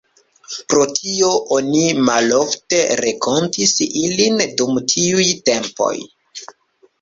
Pro tio oni malofte renkontis ilin dum tiuj tempoj.